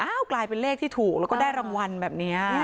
กลายเป็นเลขที่ถูกแล้วก็ได้รางวัลแบบนี้